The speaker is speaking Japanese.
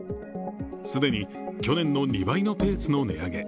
既に去年の２倍のペースの値上げ。